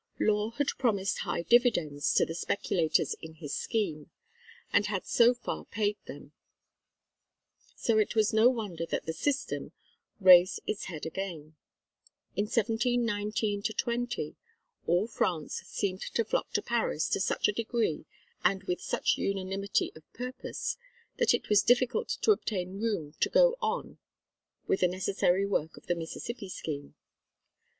Law had promised high dividends to the speculators in his scheme, and had so far paid them; so it was no wonder that "The System" raised its head again. In 1719 20, all France seemed to flock to Paris to such a degree and with such unanimity of purpose, that it was difficult to obtain room to go on with the necessary work of the Mississippi Scheme.